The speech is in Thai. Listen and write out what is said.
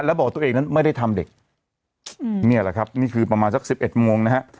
แล้วบอกตัวเองนั้นไม่ได้ทำเด็กนี่แหละครับนี่คือประมาณสักสิบเอ็ดโมงนะฮะ